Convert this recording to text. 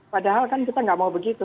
padahal kan kita nggak mau begitu